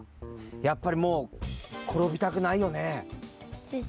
やっぱりもうころびたくないよね。